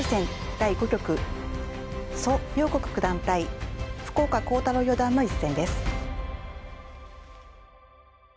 第５局蘇耀国九段対福岡航太朗四段の一戦です。